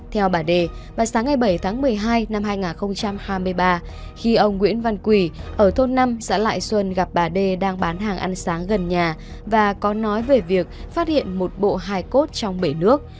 theo bà đề vào sáng ngày bảy tháng một mươi hai năm hai nghìn hai mươi ba khi ông nguyễn văn quỳ ở thôn năm xã lại xuân gặp bà đê đang bán hàng ăn sáng gần nhà và có nói về việc phát hiện một bộ hài cốt trong bể nước